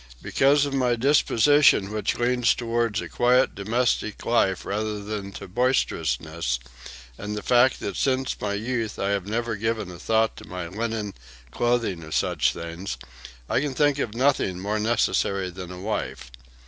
"Because of my disposition which leans towards a quiet, domestic life rather than to boisterousness, and the fact that since my youth I have never given a thought to my linen, clothing or such things, I can think of nothing more necessary than a wife.